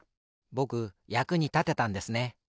ぼくやくにたてたんですね。